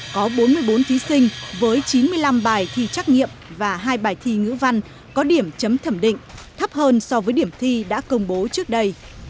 có bốn mươi bốn thí sinh với chín mươi năm bài thi trắc nghiệm và hai bài thi ngữ văn có điểm chấm thẩm định thấp hơn so với điểm thi đã công bố trước đây